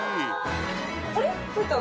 あれ？